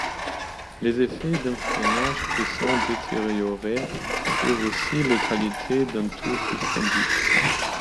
Les effets d'un freinage puissant détérioraient eux aussi les qualités d'un tout suspendu.